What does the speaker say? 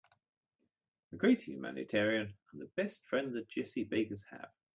A great humanitarian and the best friend the Jessie Bakers have.